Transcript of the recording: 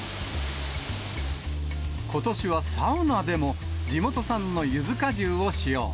ことしはサウナでも、地元産のゆず果汁を使用。